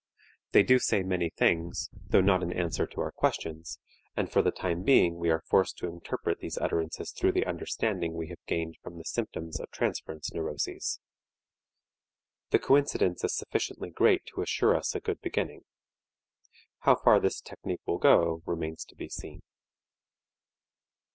They do say many things, though not in answer to our questions, and for the time being we are forced to interpret these utterances through the understanding we have gained from the symptoms of transference neuroses. The coincidence is sufficiently great to assure us a good beginning. How far this technique will go, remains to be seen.